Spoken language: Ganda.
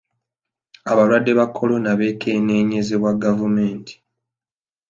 Abalwadde ba korona beekenneenyezebwa gavumenti.